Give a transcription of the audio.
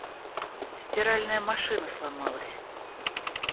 Стиральная машина сломалась.